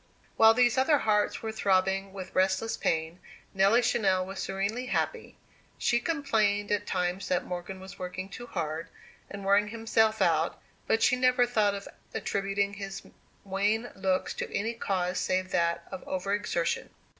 While these other hearts were throbbing with restless pain, Nelly Channell was serenely happy. She complained at times that Morgan was working too hard, and wearing himself out, but she never thought of attributing his wan looks to any cause save that of over exertion.